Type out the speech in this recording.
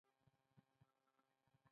عضلې نورې دندې هم لري.